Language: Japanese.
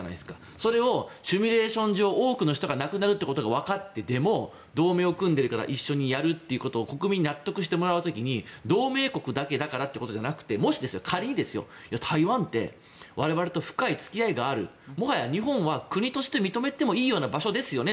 それをシミュレーション上多くの人が亡くなるということが分かっていても同盟を組んでいるから一緒にやるってことを国民に納得してもらう時に同盟国だけだからということじゃなくてもし仮にですよ、台湾って我々と深い付き合いがあるもはや日本は国として認めてもいいような場所ですよね。